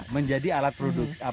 menjadi alat produksi